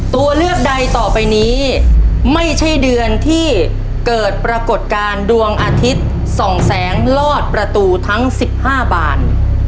ตัวเลือกใดต่อไปนี้ไม่ใช่เดือนที่เกิดปรากฏการณ์ดวงอาทิตย์๒แสงลอดประตูทั้ง๑๕บาน